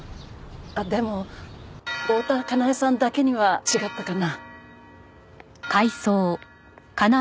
あっでも大多香苗さんだけには違ったかな。